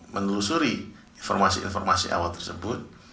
menelusuri informasi informasi awal tersebut